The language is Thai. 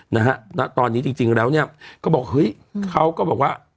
นะฮะณตอนนี้จริงจริงแล้วเนี่ยก็บอกเฮ้ยเขาก็บอกว่า